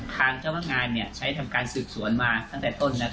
ทางเจ้าพนักงานใช้ทำการสืบสวนมาตั้งแต่ต้น